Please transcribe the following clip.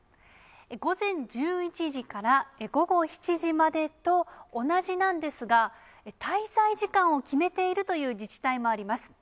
午前１１時から午後７時までと同じなんですが、滞在時間を決めているという自治体もあります。